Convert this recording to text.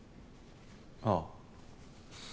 ああ。